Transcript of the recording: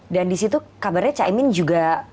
dan di situ kabarnya caimin juga